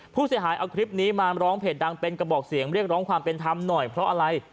ผู้เสียหายเอาคลิปนี้มาร้องเพจดังเป็นกระบอกเสียงเรียกร้องความเป็นธรรมหน่อยเพราะอะไร